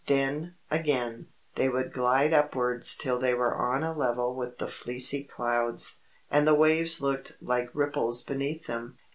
Then, again, they would glide upwards till they were on a level with the fleecy clouds, and the waves looked like ripples beneath them.